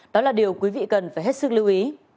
đó là điều quý vị cần phải hết sức lưu ý